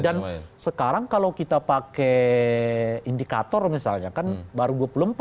dan sekarang kalau kita pakai indikator misalnya kan baru dua puluh empat